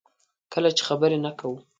کله چې خبرې نه کوو.